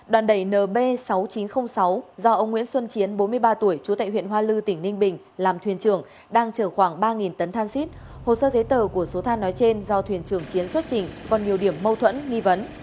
đoàn đẩy nb sáu nghìn chín trăm linh sáu do ông nguyễn xuân chiến bốn mươi ba tuổi chú tại huyện hoa lư tỉnh ninh bình làm thuyền trưởng đang chở khoảng ba tấn than xít hồ sơ giấy tờ của số than nói trên do thuyền trưởng chiến xuất trình còn nhiều điểm mâu thuẫn nghi vấn